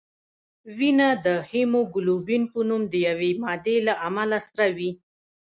وینه د هیموګلوبین په نوم د یوې مادې له امله سره وي